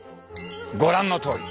ご覧のとおり！